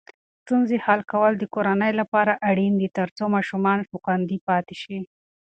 ستونزې حل کول د کورنۍ لپاره اړین دي ترڅو ماشومان خوندي پاتې شي.